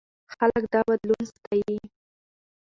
خلک دا بدلون ستایي.